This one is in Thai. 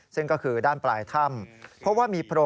ซึ่งก็คือด้านปลายถ้ำ